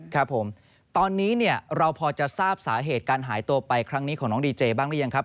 ครับผมตอนนี้เนี่ยเราพอจะทราบสาเหตุการหายตัวไปครั้งนี้ของน้องดีเจบ้างหรือยังครับ